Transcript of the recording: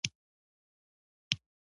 د دنيا نظام په ګټې رسونې بنا شوی دی.